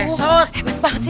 gak kena pak rete